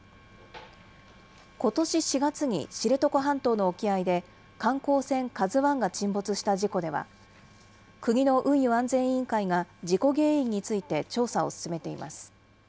ことし４月に知床半島の沖合で、観光船ＫＡＺＵＩが沈没した事故では、国の運輸安全委員会が事故原因について調査を進めています。